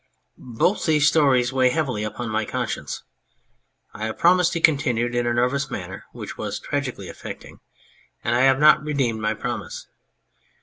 Both these stories weigh heavily upon my conscience. I have promised/' he continued in a nervous manner which was tragically affecting, " and I have not redeemed my promise.